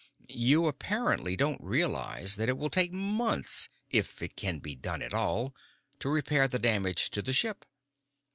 "You apparently don't realize that it will take months if it can be done at all to repair the damage to the ship."